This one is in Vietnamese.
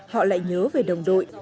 họ lại nhớ về đồng đội